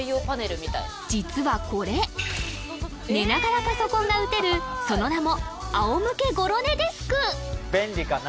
実はこれ寝ながらパソコンが打てるその名も便利かな？